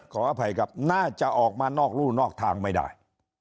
ขออภัยครับน่าจะออกมานอกรู่นอกทางไม่ได้